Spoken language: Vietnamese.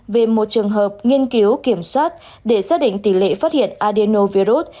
về một trường hợp nghiên cứu kiểm soát để xác định tỷ lệ phát hiện adinovirus